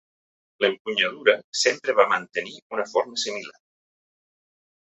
L'empunyadura sempre va mantenir una forma similar.